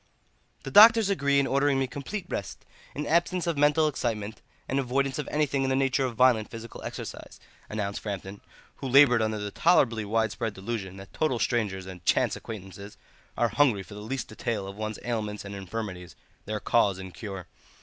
"The doctors agree in ordering me complete rest, an absence of mental excitement, and avoidance of anything in the nature of violent physical exercise," announced Framton, who laboured under the tolerably widespread delusion that total strangers and chance acquaintances are hungry for the least detail of one's ailments and infirmities, their cause and cure.